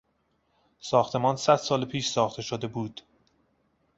ساختمان صدسال پیش ساخته شده بود.